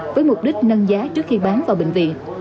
với mục đích nâng giá trước khi bán vào bệnh viện